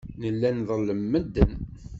Nella nḍellem medden.